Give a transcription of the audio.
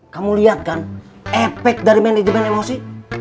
kamu lihat kan efek dari manajemen emosi